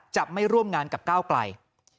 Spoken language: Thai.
จะไม่ร่วมงานกับก้าวไกล